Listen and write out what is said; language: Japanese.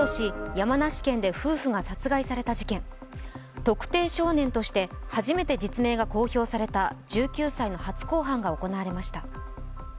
山梨県で夫婦が殺害された事件特定少年として初めて実名が公表された１９歳の初公判が行われました。